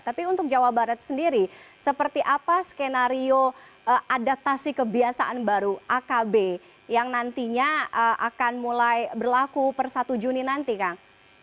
tapi untuk jawa barat sendiri seperti apa skenario adaptasi kebiasaan baru akb yang nantinya akan mulai berlaku per satu juni nanti kang